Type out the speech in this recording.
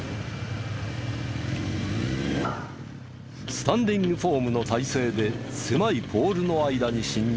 スタンディングフォームの体勢で狭いポールの間に進入。